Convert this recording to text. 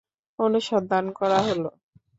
অনুসন্ধান করা হল।